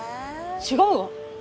違うわ！